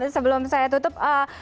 sebelum saya tutup